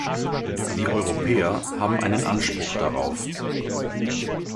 Die Europäer haben einen Anspruch darauf.